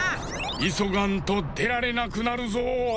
いそがんとでられなくなるぞ！